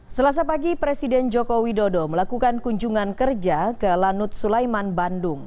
selasa pagi presiden joko widodo melakukan kunjungan kerja ke lanut sulaiman bandung